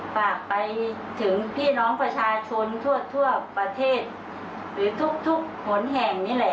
ฝากไปถึงพี่น้องประชาชนทั่วประเทศหรือทุกหนแห่งนี่แหละ